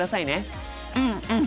うんうん。